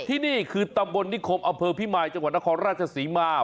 ที่นี่คือตำบลนิคมอำเภอพิมายจังหวัดนครราชศรีมา